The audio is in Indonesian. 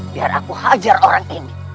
biar aku hajar orang ini